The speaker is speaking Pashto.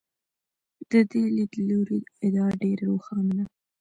د دې لیدلوري ادعا ډېره روښانه ده.